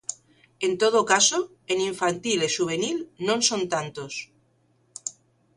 En todo caso, en infantil e xuvenil non son tantos.